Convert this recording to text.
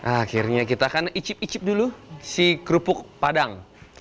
akhirnya kita akan icip icip dulu si kerupuk padang